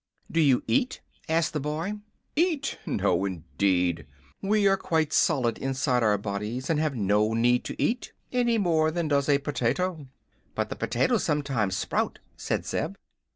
"Do you eat?" asked the boy. "Eat! No, indeed. We are quite solid inside our bodies, and have no need to eat, any more than does a potato." "But the potatoes sometimes sprout," said Zeb.